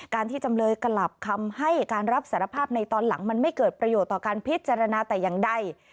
ที่จำเลยกลับคำให้การรับสารภาพในตอนหลังมันไม่เกิดประโยชน์ต่อการพิจารณาแต่อย่างใด